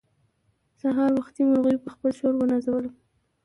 سهار وختي مرغيو په خپل شور ونازولم.